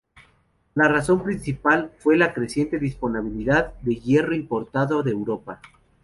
La razón principal fue la creciente disponibilidad de hierro importado de Europa.